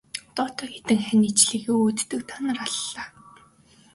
Тоотой хэдэн хань ижлийнхээ өөдтэйг та нар аллаа.